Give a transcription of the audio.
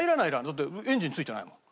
だってエンジン付いてないもん。